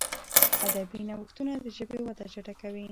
ادبي نوښتونه د ژبي وده چټکوي.